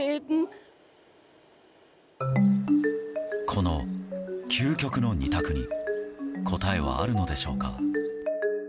この究極の二択に答えはあるのでしょうか。